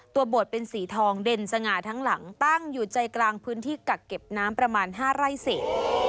บทเป็นสีทองเด่นสง่าทั้งหลังตั้งอยู่ใจกลางพื้นที่กักเก็บน้ำประมาณ๕ไร่เศษ